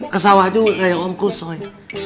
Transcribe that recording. kesawah juga kayak om kusoy